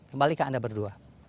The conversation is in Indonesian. kembali ke anda berdua